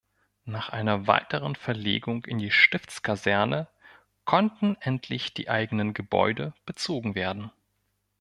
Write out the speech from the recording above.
Nach einer weiteren Verlegung in die Stiftskaserne konnten endlich die eigenen Gebäude bezogen werden.